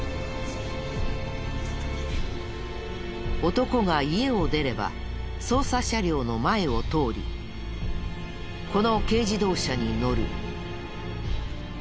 男が家を出れば捜査車両の前を通りこの軽自動車に乗る。